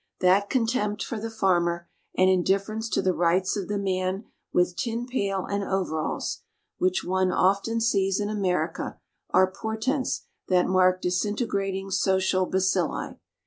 That contempt for the farmer, and indifference to the rights of the man with tin pail and overalls, which one often sees in America, are portents that mark disintegrating social bacilli.